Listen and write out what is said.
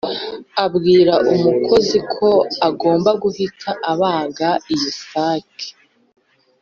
abwira umukozi ko agomba guhita abaga iyo sake.